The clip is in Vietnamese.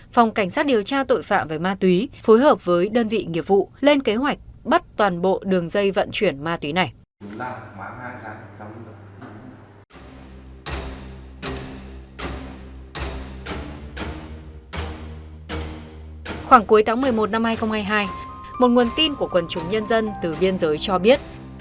khoảng cuối tháng một mươi một năm hai nghìn hai mươi hai một nguồn tin của quần chúng nhân dân từ biên giới cho biết